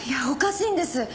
おかしいんです。